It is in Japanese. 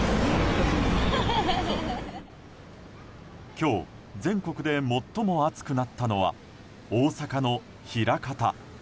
今日、全国で最も暑くなったのは大阪の枚方。